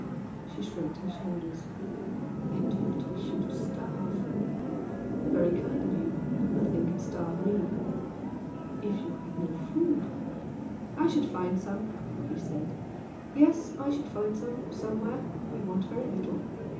She shrugged her shoulders. "I do not wish you to starve." "Very kind of you! But nothing can starve me." "If you had no food " "I should find some" he said "Yes! I should find some, somewhere! I want very little."